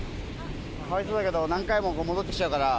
かわいそうだけど、何回も戻ってきちゃうから。